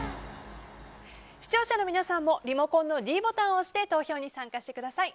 視聴者の皆さんもリモコンのｄボタンを押して投票に参加してください。